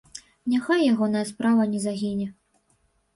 Няхай ягоная справа не загіне.